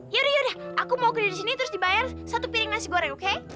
yaudah deh aku mau kerja di sini terus dibayar satu piring nasi goreng oke